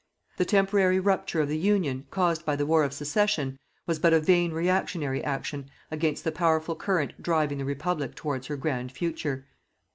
The temporary rupture of the Union, caused by the war of Secession, was but a vain reactionary action against the powerful current driving the Republic towards her grand future.